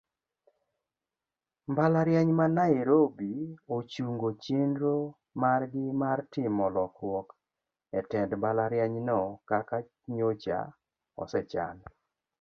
Mbalariany ma nairobi ochungo chienro margi mar timo lokruok etend mbalarianyno kaka nyocha osechan.